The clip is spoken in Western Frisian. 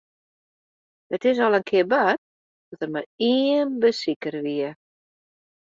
It is al in kear bard dat der mar ien besiker wie.